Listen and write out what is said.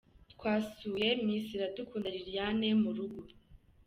Twasuye Miss Iradukunda Liliane mu rugo.